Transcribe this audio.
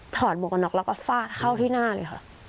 ถอดบุกกระนอกแล้วก็ฟาดเข้าที่หน้าเลยค่ะ